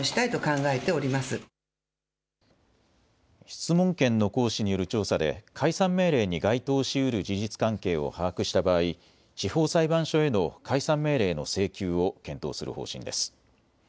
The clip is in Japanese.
質問権の行使による調査で解散命令に該当しうる事実関係を把握した場合、地方裁判所への解散命令の請求を検討する方針です。